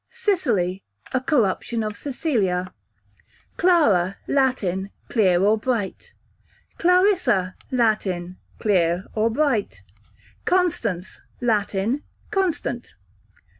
Cicely, a corruption of Cecilia, q.v. Clara, Latin, clear or bright. Clarissa, Latin, clear or bright. Constance, Latin, constant.